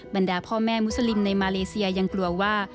ดาพ่อแม่มุสลิมในมาเลเซียยังกลัวว่า